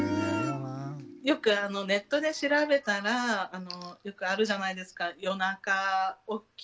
よくネットで調べたらよくあるじゃないですか